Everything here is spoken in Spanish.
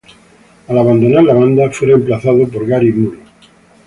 Al abandonar la banda fue reemplazado por Gary Moore.